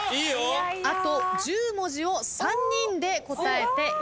あと１０文字を３人で答えていただきます。